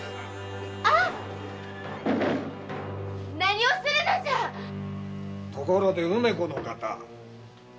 何をするのじゃところで梅子の方。